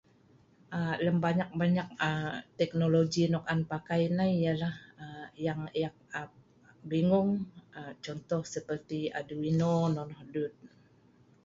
Aaa lem banyak-banyak aaa teknologi nok an pakai nai ialah aaa yang ek am bingung aaa contoh seperti adovino nonoh 'dut